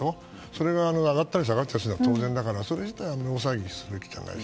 それが上がったり下がったりするのは当然だからそれ自体は大騒ぎすることじゃない。